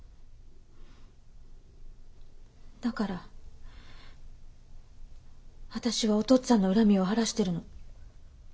だから私はお父っつぁんの恨みを晴らしてるの。